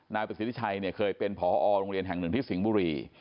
นายประสิทธิชัยเนี่ยเคยเป็นผอโรงเรียนแห่งหนึ่งที่สิงห์บุรี